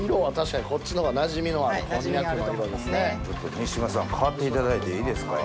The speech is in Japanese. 三島さん代わっていただいていいですか？